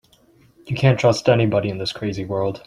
You can't trust anybody in this crazy world.